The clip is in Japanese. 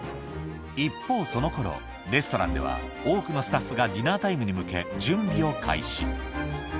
一方その頃レストランでは多くのスタッフがディナータイムに向け準備を開始